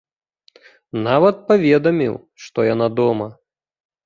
Нават паведаміў, што яна дома.